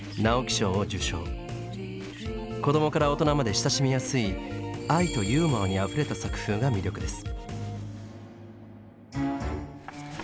子どもから大人まで親しみやすい愛とユーモアにあふれた作風が魅力です。